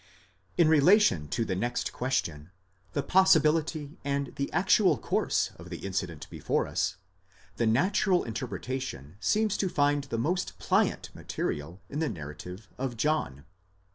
In relation to the next question, the possibility and the actual course of the incident before us, the natural interpretation seems to find the most pliant material in the narrative of John.